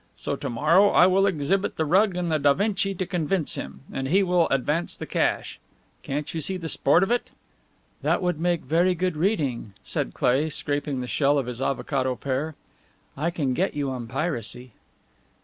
So to morrow I will exhibit the rug and the Da Vinci to convince him, and he will advance the cash. Can't you see the sport of it?" "That would make very good reading," said Cleigh, scraping the shell of his avocado pear. "I can get you on piracy."